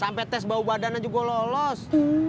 sampai tes bau badan aja gua lolos